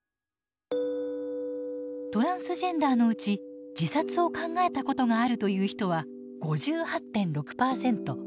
トランスジェンダーのうち自殺を考えたことがあるという人は５８．６％。